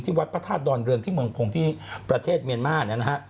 ที่วัดพระธาตุดอนเรืองที่เมืองโขงที่ประเทศเมียนม่านนะฮะ